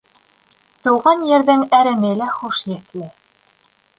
Тыуған ерҙең әреме лә хуш еҫле.